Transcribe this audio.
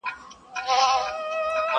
پښتنو واورئ! ډوبېږي بېړۍ ورو ورو.!